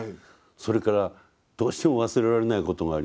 「それからどうしても忘れられないことがあります。